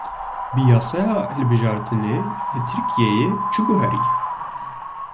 Bi yasaya hilbijartinê li Tirkiyeyê çi guherî?